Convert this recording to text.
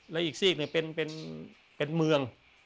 และอีกซีกหนึ่งเป็นเมือง